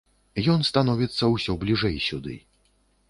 Ён становіцца ўсё бліжэй сюды.